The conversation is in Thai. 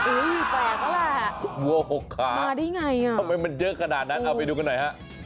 อุ๊ยแปลกแล้วแหละมาได้อย่างไรวัว๖ขาทำไมมันเยอะขนาดนั้นเอาไปดูกันหน่อย